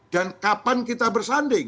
dan kapan kita bersanding